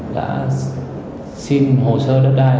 đã xin hồ sơ đất đai